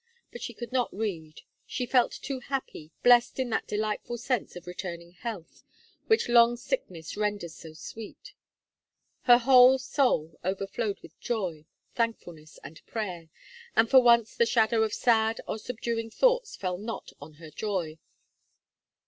But she could not read: she felt too happy, blest in that delightful sense of returning health which long sickness renders so sweet. Her whole soul overflowed with joy, thankfulness, and prayer, and for once the shadow of sad or subduing thoughts fell not on her joy.